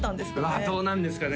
うわどうなんですかね